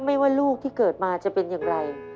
ไม่ว่าลูกที่เกิดมาจะเป็นอย่างไร